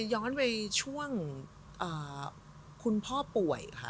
ย้อนไปช่วงคุณพ่อป่วยค่ะ